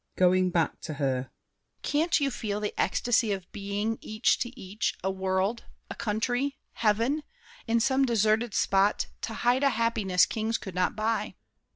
[Going back to her. Can't you feel The ecstasy of being, each to each, a world, A country, heaven; in some deserted spot To hide a happiness kings could not buy.